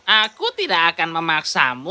aku tidak akan memaksamu